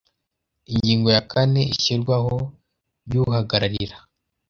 ingingo ya kane ishyirwaho ry uhagararira